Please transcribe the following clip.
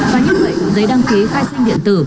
và như vậy giấy đăng ký khai sinh